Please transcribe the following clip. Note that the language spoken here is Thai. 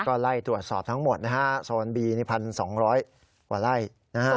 ก็ไล่ตรวจสอบทั้งหมดนะฮะโซนบีนี่๑๒๐๐กว่าไล่นะฮะ